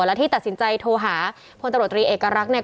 และที่ตัดสินใจโทรหาพลตรวจตรีเอกลักษณ์เนี่ย